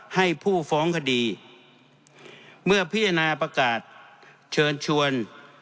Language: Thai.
ให้ผู้ฟ้องคดีเมื่อพิจารณาประกาศเชิญชวน